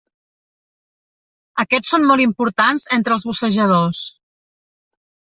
Aquests són molt importants entre els bussejadors.